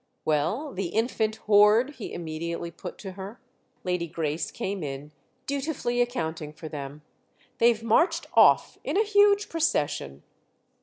"Well, the infant horde?" he immediately put to her. Lady Grace came in, dutifully accounting for them. "They've marched off—in a huge procession."